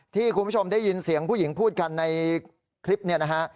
ที่คุณผู้ชมได้ยินเสียงผู้หญิงพูดกันในคลิปเนี่ยนะฮะ